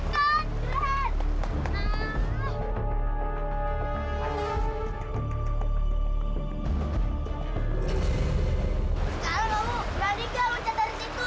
sekarang kamu berani gak loncat dari situ